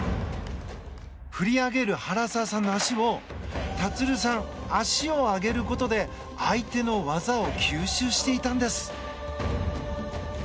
振り上げる原沢さんの足を立さん、足を上げることで相手の技を吸収していたんです。